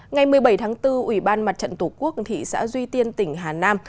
ngày một mươi bảy tháng bốn ủy ban mặt trận tổ quốc thị xã duy tiên tỉnh hà nam